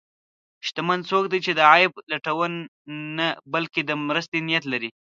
شتمن څوک دی چې د عیب لټون نه، بلکې د مرستې نیت لري.